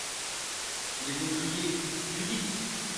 Ils ont crié : Judith !